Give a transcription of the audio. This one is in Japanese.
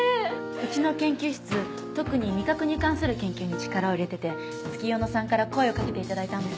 うちの研究室特に味覚に関する研究に力を入れてて月夜野さんから声をかけていただいたんです。